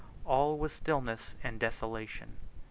All was stillness and desolation.